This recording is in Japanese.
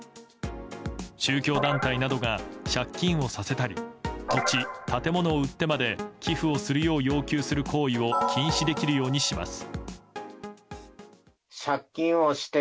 宗教団体などが借金をさせたり土地・建物を売ってまで寄付をするよう要求する行為を禁止できるようにします。